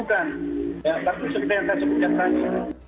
tapi seperti yang saya sebutkan tadi